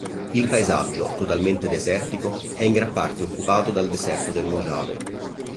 Il paesaggio, totalmente desertico, è in gran parte occupato dal deserto del Mojave.